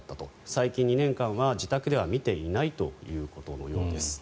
最近２年間は自宅では見ていないということのようです。